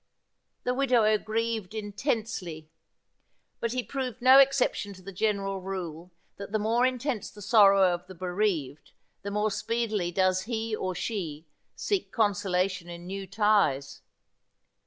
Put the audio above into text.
The widower grieved intensely ; but he proved no exception to the general rule that the more intense the sorrow of the bereaved the more speedily does he or she seek consolation in new ties.